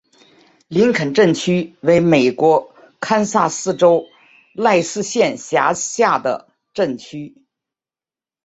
林肯镇区为美国堪萨斯州赖斯县辖下的镇区。